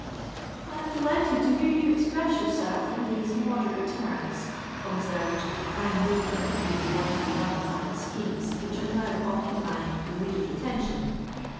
"I am delighted to hear you express yourself in these moderate terms," observed the prime mover of those widely ramified schemes which are now occupying the reader's attention.